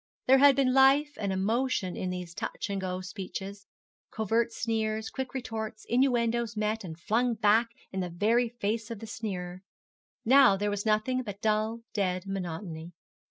There had been life and emotion in these touch and go speeches, covert sneers, quick retorts, innuendoes met and flung back in the very face of the sneerer. Now there was nothing but dull, dead monotony.